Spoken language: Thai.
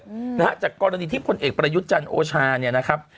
อืมนะฮะจากกรณีที่พลเอกประยุทธ์จันทร์โอชาเนี่ยนะครับ